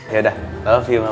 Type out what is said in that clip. yaudah love you ma